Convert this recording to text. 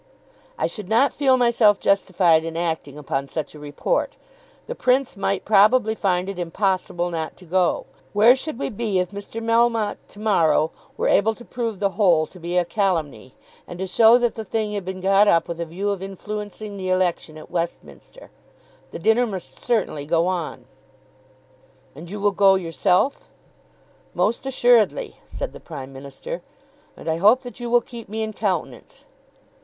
"I should not feel myself justified in acting upon such a report. The Prince might probably find it impossible not to go. Where should we be if Mr. Melmotte to morrow were able to prove the whole to be a calumny, and to show that the thing had been got up with a view of influencing the election at Westminster? The dinner must certainly go on." "And you will go yourself?" "Most assuredly," said the Prime Minister. "And I hope that you will keep me in countenance."